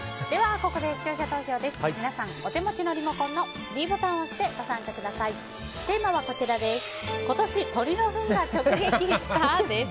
ここで視聴者投票です。